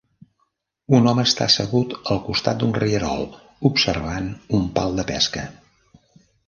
Un home està assegut al costat d'un rierol, observant un pal de pesca.